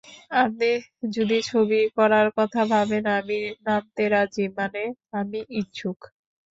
আপনি যদি ছবি করার কথা ভাবেন, আমি নামতে রাজি, মানে আমি ইচ্ছুক।